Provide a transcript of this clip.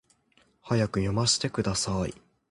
早く読ませてください